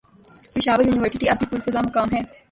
Peshawar university اب بھی پرفضامقام ہے